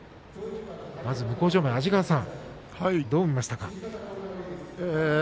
向正面の安治川さんどう見ましたか。